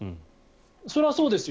それはそうですよ